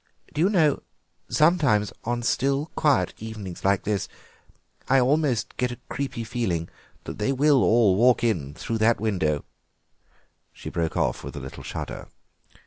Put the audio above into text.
Do you know, sometimes on still, quiet evenings like this, I almost get a creepy feeling that they will all walk in through that window—" She broke off with a little shudder.